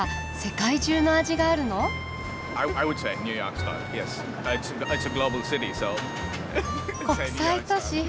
国際都市。